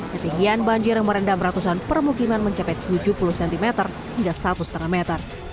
ketinggian banjir yang merendam ratusan permukiman mencapai tujuh puluh cm hingga satu lima meter